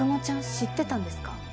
知ってたんですか？